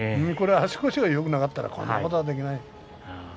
足腰がよくないとこんなことはできない。